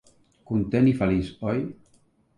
Content i feliç, oi?